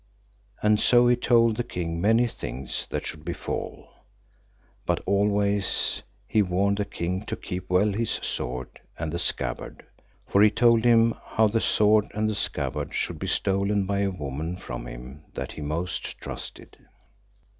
And so he told the king many things that should befall, but always he warned the king to keep well his sword and the scabbard, for he told him how the sword and the scabbard should be stolen by a woman from him that he most trusted.